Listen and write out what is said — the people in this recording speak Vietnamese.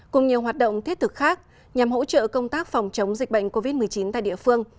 cùng nhiều hoạt động thiết thực khác nhằm hỗ trợ công tác phòng chống dịch bệnh covid một mươi chín tại địa phương